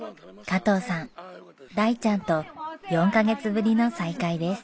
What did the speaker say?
加藤さん大ちゃんと４カ月ぶりの再会です。